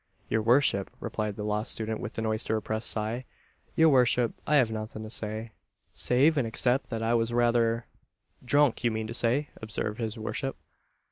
"Your worship," replied the Law Student, with an oyster oppressed sigh, "your worship, I have nothing to say, save and except that I was rather " "Drunk, you mean to say," observed his worship.